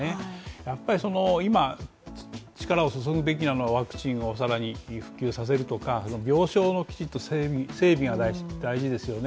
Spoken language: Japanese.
やっぱり今力を注ぐべきなのはワクチンをさらに普及させるとかの病床のきちっと整理整備が大事ですよね